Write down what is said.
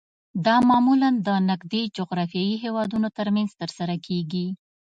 دا معمولاً د نږدې جغرافیایي هیوادونو ترمنځ ترسره کیږي